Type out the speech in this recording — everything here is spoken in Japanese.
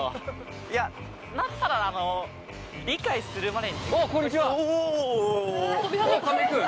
いやなったらあの理解するまでに。